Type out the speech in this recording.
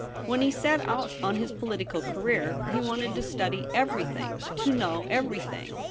When he set out on his political career he wanted to study everything — to know everything.